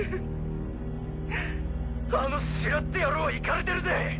あのシュラって野郎はイカれてるぜ！